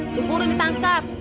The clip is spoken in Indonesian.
syukur ini tangkap